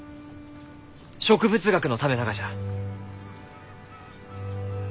植物学のためながじゃ！